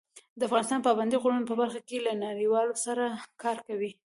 افغانستان د پابندي غرونو په برخه کې له نړیوالو سره کار کوي.